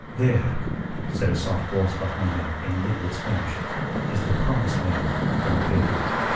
"There," said a soft voice behind him in liquid Spanish, "is the Promised Land, Don Pedro."